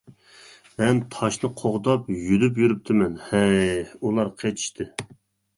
مەن تاشنى قوغداپ، يۈدۈپ يۈرۈپتىمەن، ھەي. ئۇلار قېچىشتى.